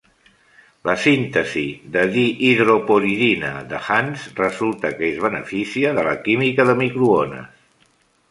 La síntesi de dihidropiridina de Hantzsch resulta que es beneficia de la química de microones.